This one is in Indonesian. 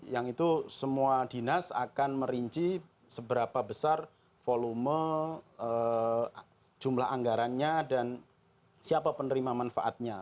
yang itu semua dinas akan merinci seberapa besar volume jumlah anggarannya dan siapa penerima manfaatnya